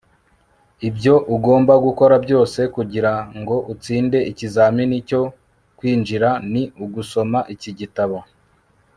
ibyo ugomba gukora byose kugirango utsinde ikizamini cyo kwinjira ni ugusoma iki gitabo